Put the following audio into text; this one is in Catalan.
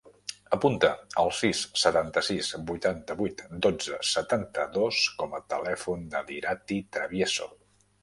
Apunta el sis, setanta-sis, vuitanta-vuit, dotze, setanta-dos com a telèfon de l'Irati Travieso.